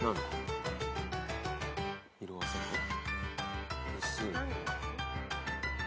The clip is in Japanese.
色あせない？日数。